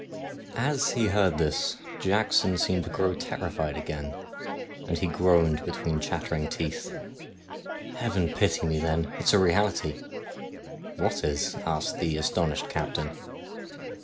As he heard this Jackson seemed to grow terrified again, and he groaned between chattering teeth :' Heaven pity me then, it's a reality !'' What is ?' asked the astonished captain.